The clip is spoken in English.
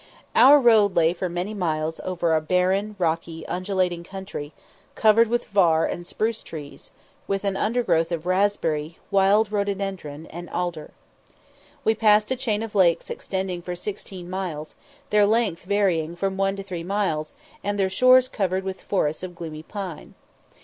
Our road lay for many miles over a barren, rocky, undulating country, covered with var and spruce trees, with an undergrowth of raspberry, wild rhododendron, and alder. We passed a chain of lakes extending for sixteen miles, their length varying from one to three miles, and their shores covered with forests of gloomy pine.